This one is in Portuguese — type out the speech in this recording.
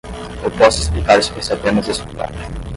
Eu posso explicar se você apenas escutar.